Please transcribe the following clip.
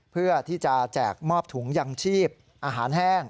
เพื่อที่จะแจกมอบถุงยังชีพอาหารแห้ง